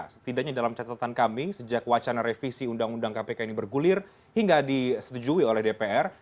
setidaknya dalam catatan kami sejak wacana revisi undang undang kpk ini bergulir hingga disetujui oleh dpr